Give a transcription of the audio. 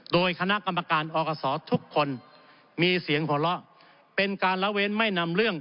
โดยคณะกรรมการอกศทุกคนมีเสียงหัวเราะเป็นการละเว้นไม่นำเรื่อง